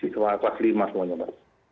kelas lima semuanya mbak